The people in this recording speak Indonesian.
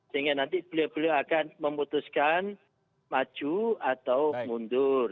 sehingga nanti beliau beliau akan memutuskan maju atau mundur